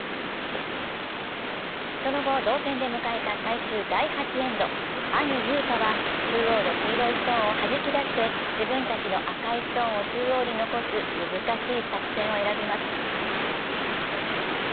その後、同点で迎えた最終第８エンド、兄・雄太は中央の黄色いストーンをはじき出して自分たちの赤いストーンを中央に残す難しい作戦を選びます。